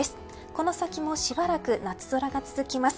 この先もしばらく夏空が続きます。